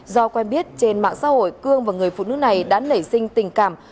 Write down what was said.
do quen biết trên mạng xã hội cương và người phụ nữ này đã lẩy sinh tình cảm